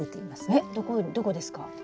えっどこですか？